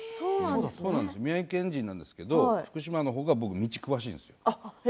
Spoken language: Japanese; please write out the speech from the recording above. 宮城県人なんですけど福島のほうが僕は道は詳しいです。